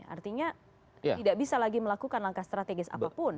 artinya tidak bisa lagi melakukan langkah strategis apapun